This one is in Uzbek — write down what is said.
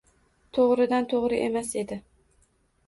to‘g‘ridan-to‘g‘ri emas edi.